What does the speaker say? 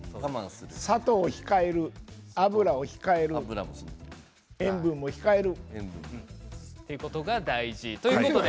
砂糖を控える、油を控える塩分も控えるということが大事です。